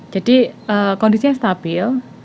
jadi kondisinya stabil